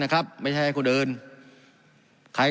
การปรับปรุงทางพื้นฐานสนามบิน